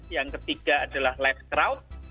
yang ketiga adalah less crowd